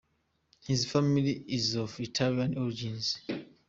His family is of Italian origins.